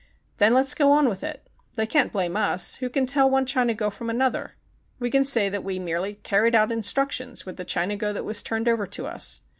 "Then let's go on with it. They can't blame us. Who can tell one Chinago from another ? We can say that we merely carried out instructions with the Chinago that was turned over to us.